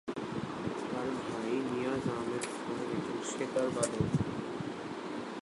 তার ভাই নিয়াজ আহমেদ খান একজন সেতার বাদক।